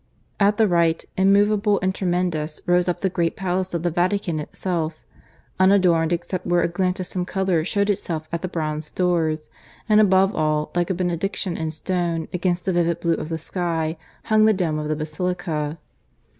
At the right, immovable and tremendous, rose up the great palace of the Vatican itself, unadorned except where a glint of some colour showed itself at the Bronze Doors; and above all, like a benediction in stone, against the vivid blue of the sky, hung the dome of the basilica.